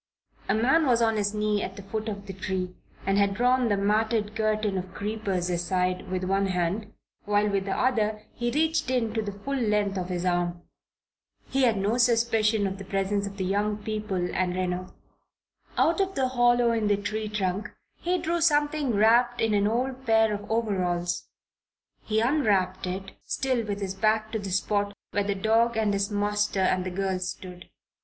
A man was on his knees at the foot of the tree and had drawn the matted curtain of creepers aside with one hand while with the other he reached in to the full length of his arm. He had no suspicion of the presence of the young people and Reno. Out of the hollow in the tree trunk he drew something wrapped in an old pair of overalls. He unwrapped it, still with his back to the spot where the dog and his master and the girls stood.